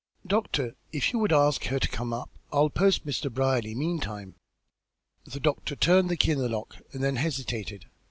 Doctor, if you would ask her to come up, I'll post Mr. Brierly, meantime." The doctor turned the key in the lock and then hesitated.